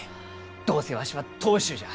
どうせわしは当主じゃ！